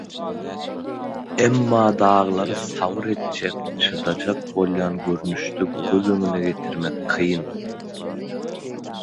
Emma daglary sabyr etjek, çydajak bolýan görnüşde göz öňüňe getirmek kyn.